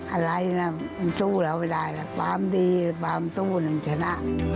อะไรนะต้องสู้แล้วไม่ได้ความดีความสู้น่าจะชนะ